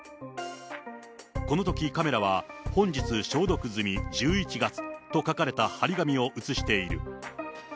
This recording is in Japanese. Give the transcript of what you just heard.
このとき、カメラは本日消毒済み、１１月と書かれた貼り紙を映している。